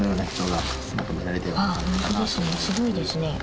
すごいですね。